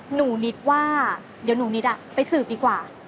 หนูนิดว่าเดี๋ยวหนูนิดไปสืบดีกว่า